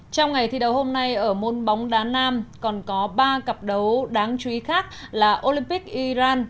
trong ngày thi đấu hôm nay ở môn bóng đá nam còn có ba cặp đấu đáng chú ý khác là olympic iran